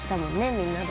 みんなで。